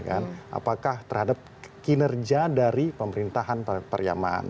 apakah terhadap kinerja dari pemerintahan pariaman